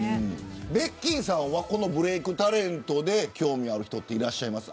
ベッキーさんはこのブレイクタレントで興味がある人いますか。